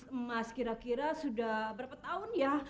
emas kira kira sudah berapa tahun ya